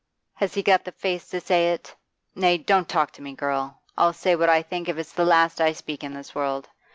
has he got the face to say it? Nay, don't talk to me, girl; I'll say what I think if it's the last I speak in this world.